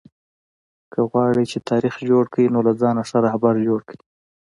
که غواړى، چي تاریخ جوړ کى؛ نو له ځانه ښه راهبر جوړ کئ!